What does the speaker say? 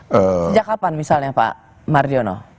sejak kapan misalnya pak mardiono